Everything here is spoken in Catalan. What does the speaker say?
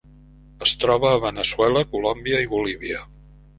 Es troba a Veneçuela, Colòmbia i Bolívia.